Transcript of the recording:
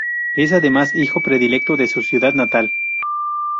Es, además, hijo predilecto de su ciudad natal.